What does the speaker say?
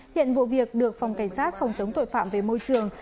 hiện vụ việc được phòng cảnh sát phòng chống tội phạm về môi trường